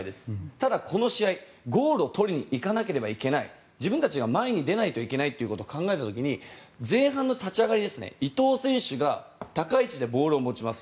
ただ、この試合ゴールを取りにいかなければいけない自分たちが前に出ないといけないと考えた時に前半の立ち上がり、伊東選手が高い位置でボールを持ちます。